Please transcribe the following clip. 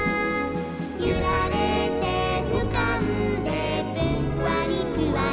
「ゆられてうかんでぷんわりぷわり」